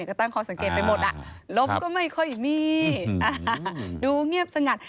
ก็ตั้งข้อสังเกตไปหมดอ่ะลมก็ไม่ค่อยมีดูเงียบสงัด